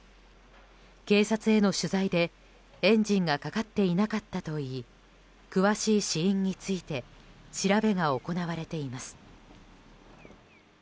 警察への取材で、エンジンがかかっていなかったといい詳しい死因について調べが行われています。